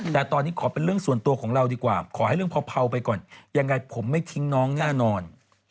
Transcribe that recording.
แต่ตอนนี้ขอเป็นเรื่องส่วนตัวของเราดีกว่าขอให้เรื่องเผาไปก่อนยังไงผมไม่ทิ้งน้องแน่นอน